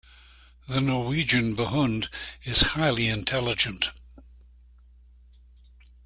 The Norwegian Buhund is highly intelligent.